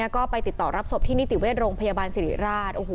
ก็ไปติดต่อรับศพที่นิติเวชโรงพยาบาลสิริราช